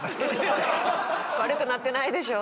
悪くなってないでしょ。